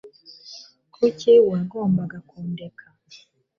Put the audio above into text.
kuki wagombaga kundeka